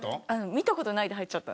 見た事ないで入っちゃった。